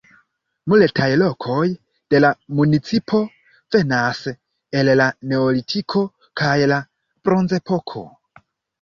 Multaj lokoj de la municipo venas el la Neolitiko kaj la Bronzepoko.